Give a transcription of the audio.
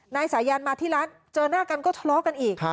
นายสายันมาที่ร้านเจอหน้ากันก็ทะเลาะกันอีก